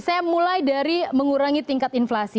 saya mulai dari mengurangi tingkat inflasi